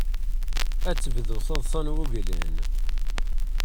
Ad tebdu taḍsa n wuglan.